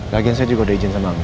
lagian saya juga udah izin sama